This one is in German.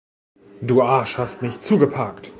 Du Arsch hast mich zugeparkt!